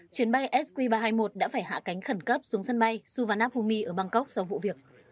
chuyến bay sq ba trăm hai mươi một đã phải hạ cánh khẩn cấp xuống sân bay suvarnabhumi ở bangkok sau vụ việc